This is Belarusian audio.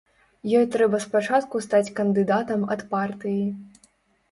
Ёй трэба спачатку стаць кандыдатам ад партыі.